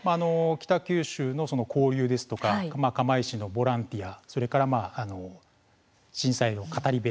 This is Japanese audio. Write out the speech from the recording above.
北九州の交流ですとか釜石のボランティア震災の語り部